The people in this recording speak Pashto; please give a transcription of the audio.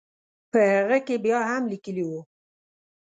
په هغه کې بیا هم لیکلي وو.